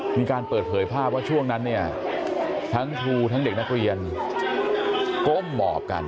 มีการเปิดเผยภาพว่าช่วงนั้นเนี่ยทั้งครูทั้งเด็กนักเรียนก้มหมอบกัน